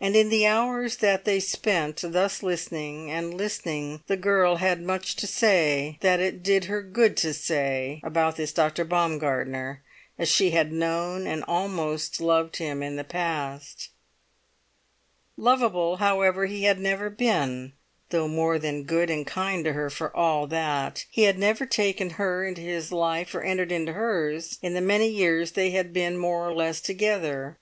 And in the hours that they spent thus listening, and listening, the girl had much to say, that it did her good to say, about this Dr. Baumgartner as she had known and almost loved him in the past. Lovable, however, he had never been, though more than good and kind to her for all that. He had never taken her into his life, or entered into hers, in the many years they had been more or less together.